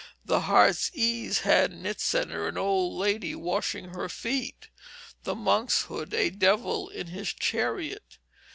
The heart's ease had in its centre an old lady washing her feet; the monk's hood, a devil in his chariot.